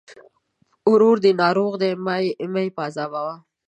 ورور دې ناروغه دی! مه يې پاذابوه.